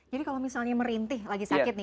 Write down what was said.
jadi kalau misalnya merintih lagi sakit